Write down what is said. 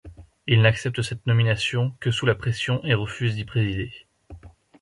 Il n’accepte cette nomination que sous la pression et refuse d’y présider.